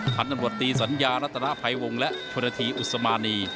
ทันตรวจตีสัญญาณัตราไพรวงและชวนทีอุศมาณี